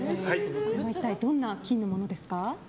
これは一体どんな金のものですか？